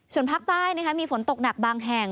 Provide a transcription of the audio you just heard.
ส่วนภาคใต้มีฝนตกหนักบางแห่ง